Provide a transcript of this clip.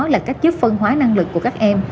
là cách giúp phân hóa năng lực của các em